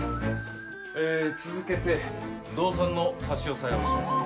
えー続けて動産の差し押さえをします。